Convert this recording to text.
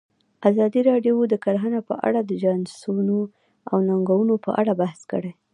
ازادي راډیو د کرهنه په اړه د چانسونو او ننګونو په اړه بحث کړی.